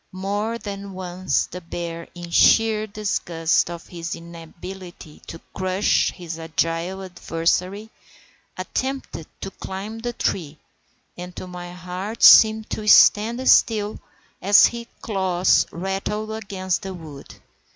More than once the bear, in sheer disgust at his inability to crush his agile adversary, attempted to climb the tree, and my heart seemed to stand still as his claws rattled against the wood.